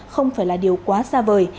không phải là điều quá xa vời